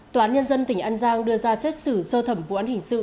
tòa án nhân dân tỉnh an giang đưa ra xét xử sơ thẩm vụ án hình sự